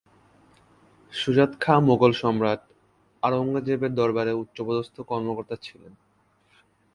সুজাত খাঁ মুঘল সম্রাট আওরঙ্গজেবের দরবারের উচ্চপদস্থ কর্মকর্তা ছিল।